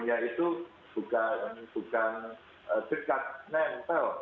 ya itu bukan dekat nempel